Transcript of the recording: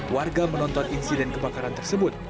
warga menonton insiden kebakaran tersebut